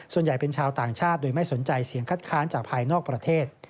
ส่วนใหญ่เป็นชาวต่างชาติโดยไม่สนใจเสียงคัดค้านจากภายนอกประเทศ